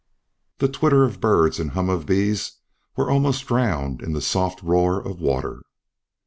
The twitter of birds and hum of bees were almost drowned in the soft roar of water.